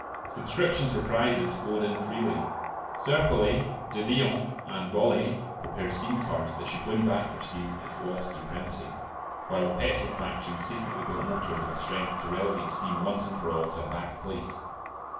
Subscriptions for prizes flowed in freely. Serpollet, de Dion, and Bollée prepared steam cars that should win back for steam its lost supremacy, while the petrol faction secretly built motors of a strength to relegate steam once and for all to a back place.